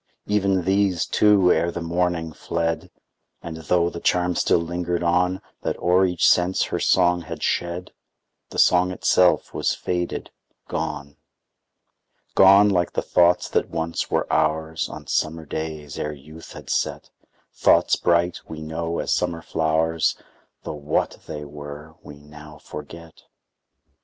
Even these, too, ere the morning, fled; And, tho' the charm still lingered on, That o'er each sense her song had shed, The song itself was faded, gone; Gone, like the thoughts that once were ours, On summer days, ere youth had set; Thoughts bright, we know, as summer flowers, Tho' what they were we now forget.